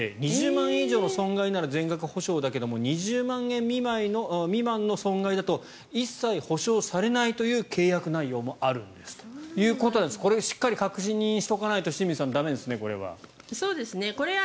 ２０万円以上の損害なら全額補償だけど２０万円未満の損害だと一切補償されないという契約内容もあるんですということなんですがこれ、しっかり確認しておかないと駄目ですね、これは。